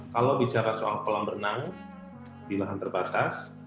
kalau bicara soal kolam berenang di lahan terbatas